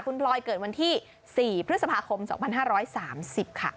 คุณพลอยเกิดวันที่๔พฤษภาคม๒๕๓๐ค่ะ